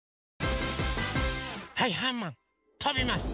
はいはいマンとびます！